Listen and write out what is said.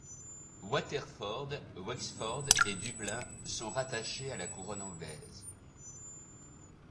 Waterford, Wexford et Dublin sont rattachés à la couronne anglaise.